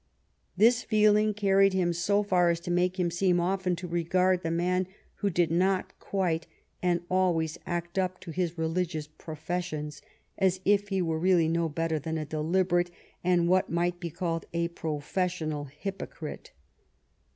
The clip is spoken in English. This feeling carried him so far as to make him seem often to regard the man who did not quite and always act up to his religious professions as if he were really no better than a deliberate, and what might be called a professional, hypocrite.